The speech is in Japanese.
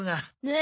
え！